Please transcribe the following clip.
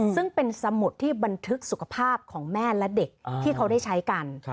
ซึ่งเป็นสมุดที่บันทึกสุขภาพของแม่และเด็กที่เขาได้ใช้กัน